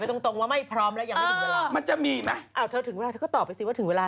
อู๋ตอบซะเร็วเชียร์คิดนิดนึง